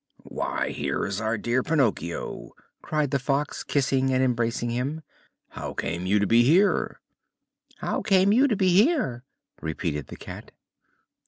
"Why, here is our dear Pinocchio!" cried the Fox, kissing and embracing him. "How came you to be here?" "How come you to be here?" repeated the Cat.